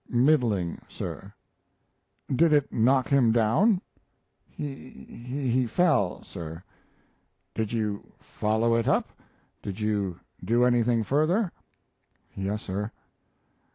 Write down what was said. "Middling, sir." "Did it knock him down?" "He he fell, sir." "Did you follow it up? Did you do anything further?" "Yes, sir."